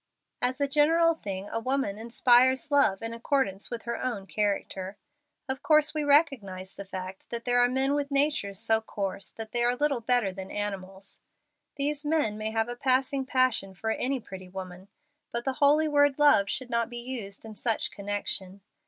As a general thing a woman inspires love in accordance with her own character. Of course we recognize the fact that there are men with natures so coarse that they are little better than animals. These men may have a passing passion for any pretty woman; but the holy word Love should not be used in such connection.